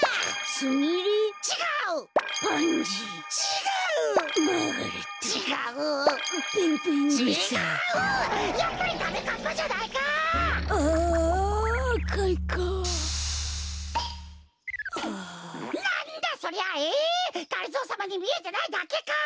がりぞーさまにみえてないだけか？